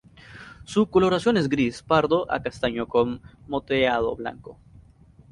Su coloración es gris pardo a castaño con moteado blanco.